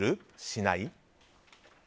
しない？